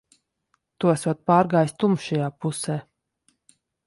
Tu esot pārgājis tumšajā pusē.